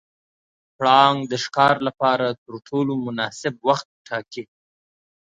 پړانګ د ښکار لپاره تر ټولو مناسب وخت ټاکي.